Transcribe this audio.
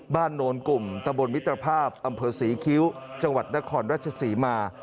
โนนกลุ่มตะบนมิตรภาพอำเภอศรีคิ้วจังหวัดนครราชศรีมา